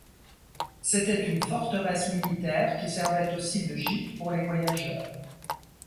C'était une forteresse militaire qui servait aussi de gîte pour les voyageurs.